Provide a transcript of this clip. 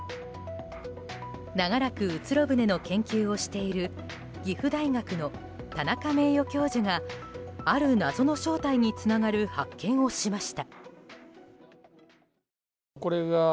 長らくうつろ舟の研究をしている岐阜大学の田中名誉教授がある謎の正体につながる発見をしました。